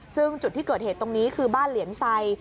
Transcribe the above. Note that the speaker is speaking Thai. ซึ่งจุดที่เกิดเหตุตรงนี้คือบ้านเหลียนไซ